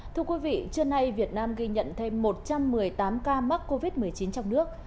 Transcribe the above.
thưa quý vị trưa nay việt nam ghi nhận thêm một trăm một mươi tám ca mắc covid một mươi chín trong nước